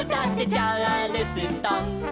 「チャールストン」